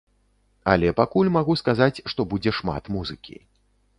Але пакуль магу сказаць, што будзе шмат музыкі.